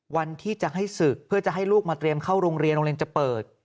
วันที่จะให้ศึกเพื่อจะให้ลูกมาเตรียมเข้าโรงเรียนโรงเรียนจะเปิด